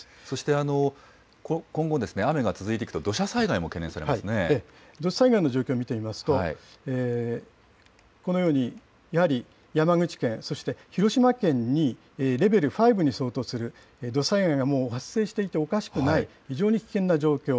そして、今後、雨が続いてい土砂災害の状況を見てみますと、このように、やはり山口県、そして広島県にレベル５に相当する、土砂災害がもう発生していておかしくない、非常に危険な状況